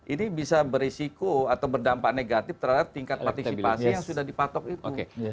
ini bisa berisiko atau berdampak negatif terhadap tingkat partisipasi yang sudah dipatok itu